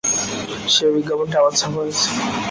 সেই বিজ্ঞাপনটি আবার ছাপা হয়েছে।